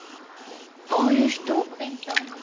ああいう人？